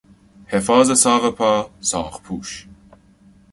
حفاظ ساق پا، ساقپوش